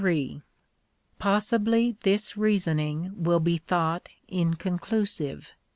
Possibly this reasoning will be thought inconclusive.